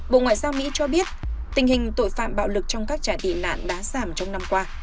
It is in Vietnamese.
bộ ngoại giao mỹ cho biết tình hình tội phạm bạo lực trong các trả tị nạn đã giảm trong năm qua